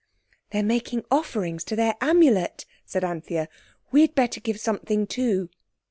"They're making offerings to their Amulet," said Anthea. "We'd better give something too."